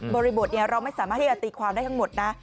บริบทเราไม่สามารถที่จะตีความได้ทั้งหมดนะ